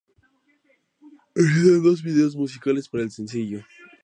Existen dos videos musicales para el sencillo.